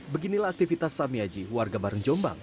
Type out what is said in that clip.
beginilah aktivitas sami haji warga barang jombang